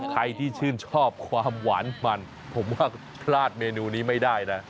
ใครที่ชื่นชอบความหวานมันผมว่าพลาดเมนูนี้ไม่ได้นะ